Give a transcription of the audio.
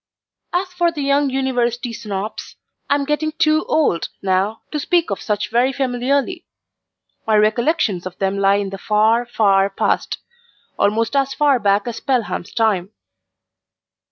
As for the young University Snobs, I am getting too old, now, to speak of such very familiarly. My recollections of them lie in the far, far past almost as far back as Pelham's time.